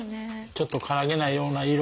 ちょっと辛げなような色。